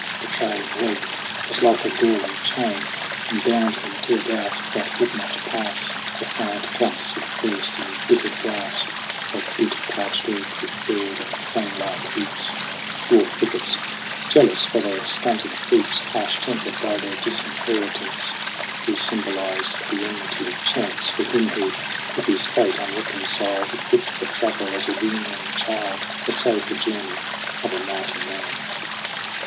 The trailing leg was like a galling chain, And bound him to a doubt that would not pass. Defiant clumps of thirst embittered grass That bit parched earth with bared and fang like roots ; Dwarf thickets, jealous for their stunted fruits, Harsh tempered by their disinheritance These symbolized the enmity of Chance For him who, with his fate unreconciled, Equipped for travel as a weanling child, Essayed the journey of a mighty man.